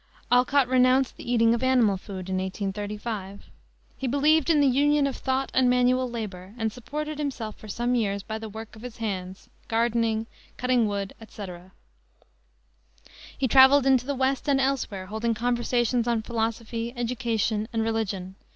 Alcott renounced the eating of animal food in 1835. He believed in the union of thought and manual labor, and supported himself for some years by the work of his hands, gardening, cutting wood, etc. He traveled into the West and elsewhere, holding conversations on philosophy, education, and religion.